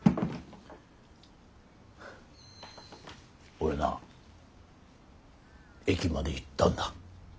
俺な駅まで行ったんだ。